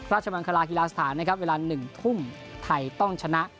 มังคลาฮิลาสถานนะครับเวลา๑ทุ่มไทยต้องชนะ